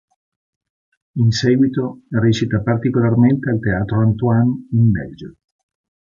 In seguito recita particolarmente al Teatro Antoine in Belgio.